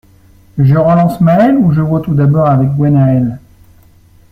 Je relance Mael ou je vois tout d’abord avec Gwennael ?